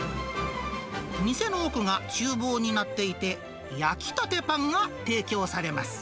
店の奥がちゅう房になっていて、焼きたてパンが提供されます。